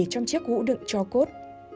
trong chiếc hũ đựng cho cốt